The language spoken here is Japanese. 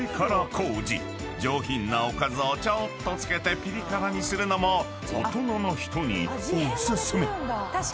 ［上品なおかずをちょっと付けてピリ辛にするのも大人な人にお薦め］